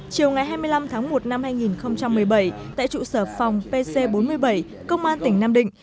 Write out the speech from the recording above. chiều ngày hai mươi năm tháng một năm hai nghìn một mươi bảy tại trụ sở phòng pc bốn mươi bảy công an tỉnh nam định